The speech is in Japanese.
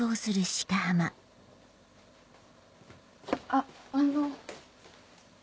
あっあの。